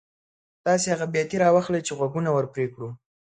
تاسې هغه بیاتي را واخلئ چې غوږونه ور پرې کړو.